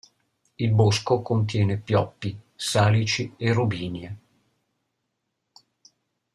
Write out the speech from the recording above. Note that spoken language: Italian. Il bosco contiene pioppi, salici e robinie.